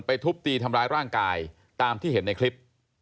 ทุบตีทำร้ายร่างกายตามที่เห็นในคลิป